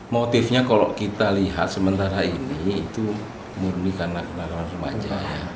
motifnya kalau kita lihat sementara ini itu murni kanak kanak wajahnya